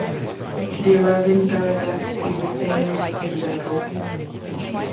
The raven paradox is a famous example.